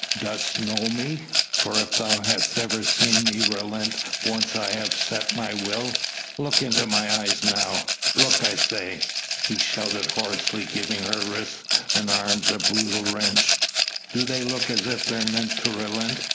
"Dost know me? For if so hast ever seen me relent once I have set my will? Look into my eyes now! Look, I say!" he shouted hoarsely, giving her wrists and arms a brutal wrench. "Do they look as if they meant to relent?